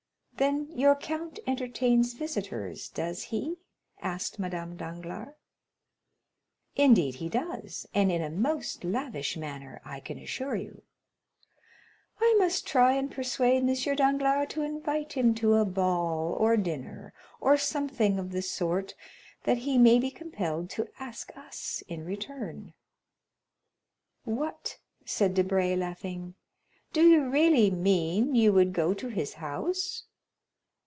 "Then your count entertains visitors, does he?" asked Madame Danglars. "Indeed he does, and in a most lavish manner, I can assure you." "I must try and persuade M. Danglars to invite him to a ball or dinner, or something of the sort, that he may be compelled to ask us in return." "What," said Debray, laughing; "do you really mean you would go to his house?"